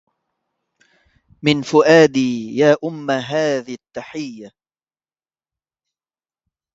من فؤادي يا أم هذي التحية